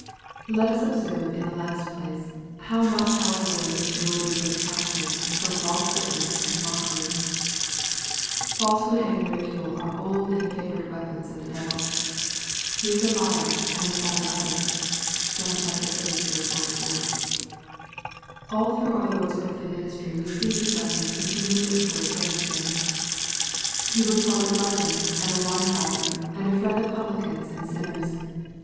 / Let us observe, in the last place, how much our Lord j endured before the council, Jrom false witness and mockery. / Falsehood and ridicule are old and favorite weapons of the devil. " He is a liar, and the father of it." (John viii. 44.) (All through our Lord's earthly ministry we see these weapons continually employed against Him. He was called a glutton, a winebibber, and a friend of publicans and sinners.